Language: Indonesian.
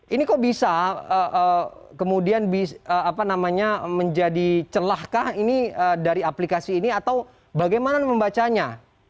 ini kok bisa kemudian menjadi celahkah ini dari aplikasi ini atau bagaimana membacanya